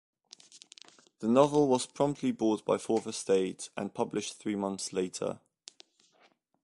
The novel was promptly bought by Fourth Estate and published three months later.